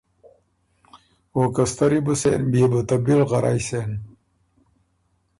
او که ستری بو سېن بيې بو ته بی لغرئ سېن“